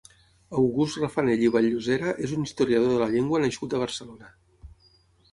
August Rafanell i Vall-llosera és un historiador de la llengua nascut a Barcelona.